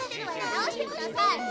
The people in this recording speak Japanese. なおしてください。